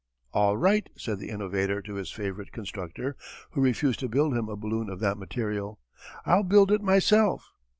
"All right," said the innovator to his favourite constructor, who refused to build him a balloon of that material, "I'll build it myself."